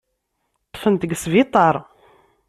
Ṭṭfen-t deg sbiṭar.